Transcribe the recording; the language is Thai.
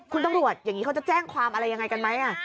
คุณตำรวจอย่างนี้เขาจะแจ้งความอะไรยังไงกันไหม